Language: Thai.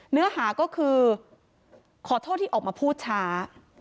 เนื้อหาก็คือขอโทษที่ออกมาพูดช้า